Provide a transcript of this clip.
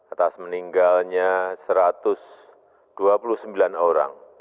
atas meninggalnya satu ratus dua puluh sembilan orang